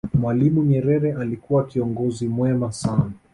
mwalimu nyerere alikuwa kiongozi mwema sana